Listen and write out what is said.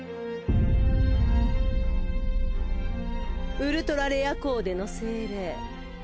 ウルトラレアコーデの精霊